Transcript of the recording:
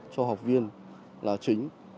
cho học viên là chính